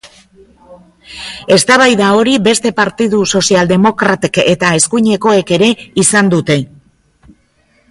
Eztabaida hori beste partidu sozialdemokratek eta eskuinekoek ere izan dute.